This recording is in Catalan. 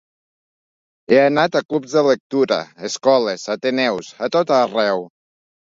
He anat a clubs de lectura, escoles, ateneus… a tot arreu.